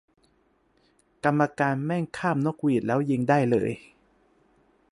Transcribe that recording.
กรรมการแม่งคาบนกหวีดแล้วยิงได้เลย